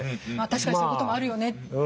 確かにそういう事もあるよねって。